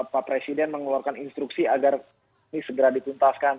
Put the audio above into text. pak presiden mengeluarkan instruksi agar ini segera dituntaskan